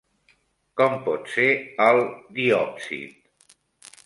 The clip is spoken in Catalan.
Com pot ser el diòpsid?